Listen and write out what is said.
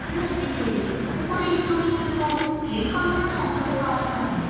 ここで一緒にするとケンカになるおそれがあるからです。